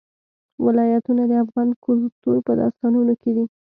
ولایتونه د افغان کلتور په داستانونو کې دي.